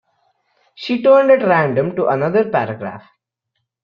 She turned at random to another paragraph.